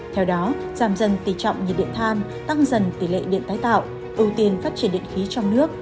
theo đó giảm dần tỉ trọng nhiệt điện than tăng dần tỷ lệ điện tái tạo ưu tiên phát triển điện khí trong nước